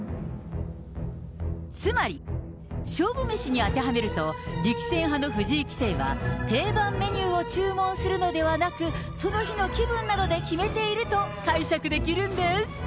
つまり勝負メシに当てはめると、力戦派の藤井棋聖は、定番メニューを注文するのではなく、その日の気分などで決めていると解釈できるんです。